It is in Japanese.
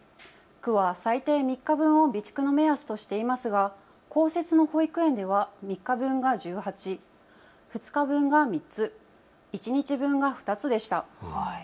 国は最低３日分を備蓄の目安としていますが公設の保育園では３日分が１８、、２日分が３つ、１日分が２つでした。